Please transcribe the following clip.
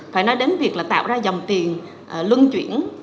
phải nói đến việc là tạo ra dòng tiền lưng chuyển